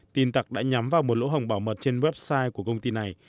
tin tặc đã nhắm vào một lỗ hồng bảo mật trên website của công ty này